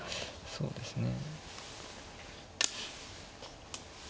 そうですね。